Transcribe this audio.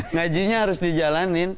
ngajinya harus dijalanin